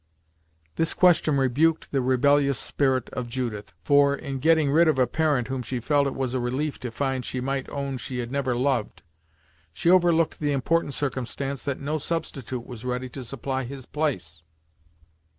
This question rebuked the rebellious spirit of Judith, for, in getting rid of a parent whom she felt it was a relief to find she might own she had never loved, she overlooked the important circumstance that no substitute was ready to supply his place.